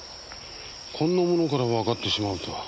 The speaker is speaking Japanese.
こんなものからわかってしまうとは。